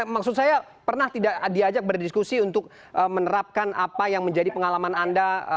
maksud saya pernah tidak diajak berdiskusi untuk menerapkan apa yang menjadi pengalaman anda